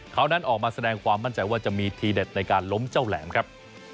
เขานั้นออกมาแสดงความมั่นใจว่าจะมีทีเด็ดในการล้มเจ้าแหลมครับ